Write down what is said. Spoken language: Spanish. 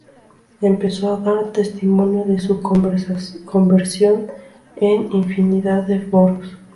Empezó a dar testimonio de su conversión en infinidad de foros.